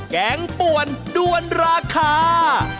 แกงป่วนด้วนราคา